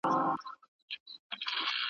چغال هم کړې له خوښیه انګولاوي `